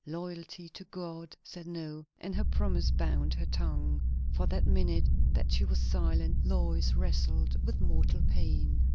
Loyalty to God said no, and her promise bound her tongue. For that minute that she was silent Lois wrestled with mortal pain.